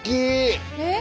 えっ？